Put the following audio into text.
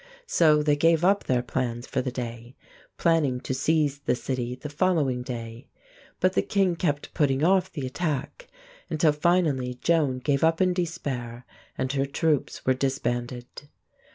So they gave up their plans for the day, planning to seize the city the following day. But the king kept putting off the attack, until finally Joan gave up in despair, and her troops were disbanded.